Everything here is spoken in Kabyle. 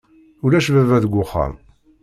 Ulac baba deg uxxam.